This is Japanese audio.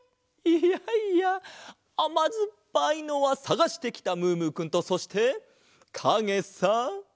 いやいやあまずっぱいのはさがしてきたムームーくんとそしてかげさ！